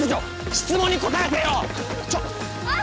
質問に答えてよちょあ